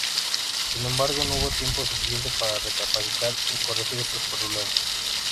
Sin embargo, no hubo tiempo suficiente para recapacitar y corregir estos problemas.